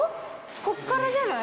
こっからじゃない？